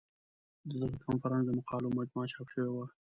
د دغه کنفرانس د مقالو مجموعه چاپ شوې وه.